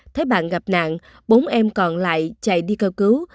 thấy bạn gặp nạn bốn em còn lại chạy đi cơ cứu